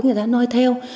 người ta nói theo